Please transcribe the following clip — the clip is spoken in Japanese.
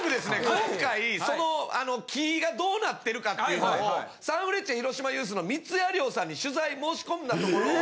今回その木がどうなってるかっていうのをサンフレッチェ広島ユースの三矢寮さんに取材申し込んだところ